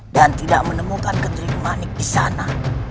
dan tidak menemukan ketri manik di sana